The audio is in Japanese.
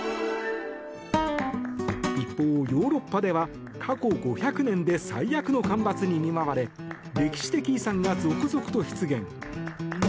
一方、ヨーロッパでは過去５００年で最悪の干ばつに見舞われ歴史的遺産が続々と出現。